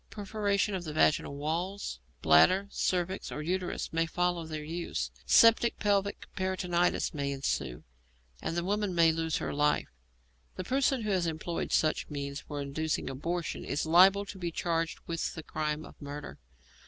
Perforation of the vaginal walls, bladder, cervix, or uterus, may follow their use. Septic pelvic peritonitis may ensue, and the woman may lose her life. The person who has employed such means for inducing abortion is liable to be charged with the crime of murder.